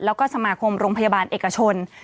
แล้วก็สมาคมโรงพยาบาลเอกชน